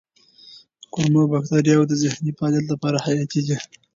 کولمو بکتریاوې د ذهني فعالیت لپاره حیاتي دي.